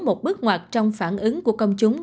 một bước ngoạt trong phản ứng của công chúng